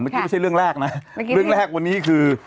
ไม่ใช่เรื่องแรกนะเรื่องแรกวันนี้คือ